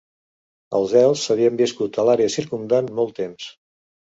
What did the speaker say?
Els elfs havien viscut en l'àrea circumdant molt temps.